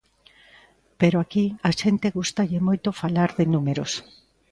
Pero aquí á xente gústalle moito falar de números.